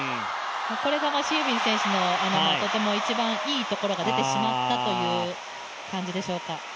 これがシン・ユビン選手の一番いいところが出てしまったという感じでしょうか。